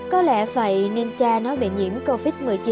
có lẽ vậy nên cha nó bị nhiễm covid một mươi chín